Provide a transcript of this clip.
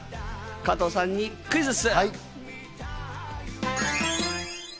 加藤さんにクイズッス！